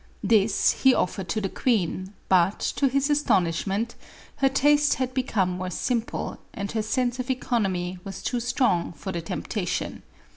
This he offered to the queen, but, to his astonishment, her taste had be come more simple, and her sense of economy was too strong for the temptation.